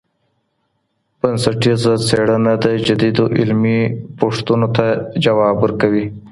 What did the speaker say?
بنسټیزه څېړنه د جدیدو علمي پوښتنو ته ځواب ورکوي.